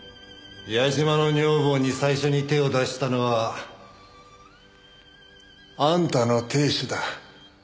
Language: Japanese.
矢嶋の女房に最初に手を出したのはあんたの亭主だ。